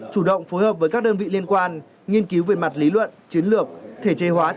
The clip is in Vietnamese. chủ động phối hợp với các đơn vị liên quan nghiên cứu về mặt lý luận chiến lược